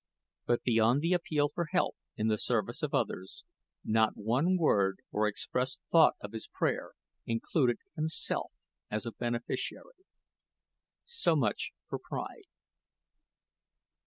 But beyond the appeal for help in the service of others, not one word or expressed thought of his prayer included himself as a beneficiary. So much for pride.